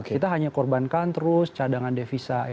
kita hanya korbankan terus cadangan devisa